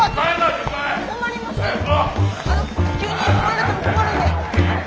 急に来られても困るんで。